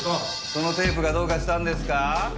そのテープがどうかしたんですか？